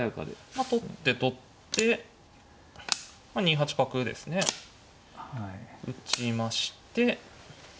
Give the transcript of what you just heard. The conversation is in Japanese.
まあ取って取って２八角ですね打ちまして。